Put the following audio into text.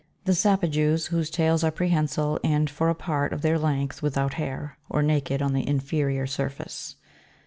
The SAPAJOUS, whose tails are prehensile, and for a part of their length without hair, or naked on the inferior surface.